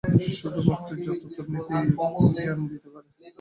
শুধু মুক্তিই যথার্থ নীতিজ্ঞান দিতে পারে।